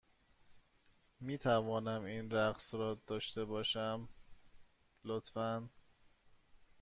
می توانم این رقص را داشته باشم، لطفا؟